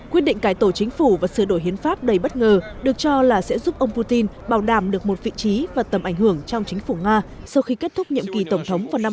quyết định cải tổ chính phủ và sửa đổi hiến pháp đầy bất ngờ được cho là sẽ giúp ông putin bảo đảm được một vị trí và tầm ảnh hưởng trong chính phủ nga sau khi kết thúc nhiệm kỳ tổng thống vào năm hai nghìn một mươi